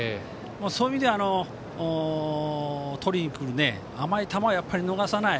そういう意味ではとりにくる甘い球を逃さない。